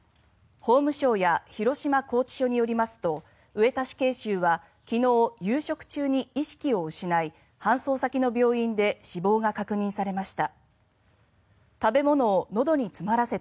法務省や広島拘置所によりますと上田死刑囚は昨日、夕食中に意識を失い搬送先の病院で死亡が確認されました。